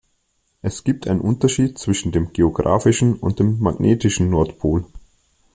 Es gibt einen Unterschied zwischen dem geografischen und dem magnetischen Nordpol.